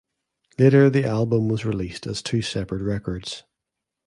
Later the album was released as two separate records.